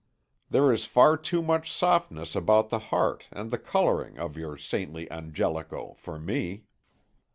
There is far too much softness about the heart and the colouring of your saintly Angelico for me.